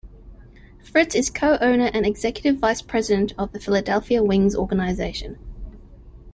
Fritz is Co-Owner and Executive Vice President of the Philadelphia Wings organization.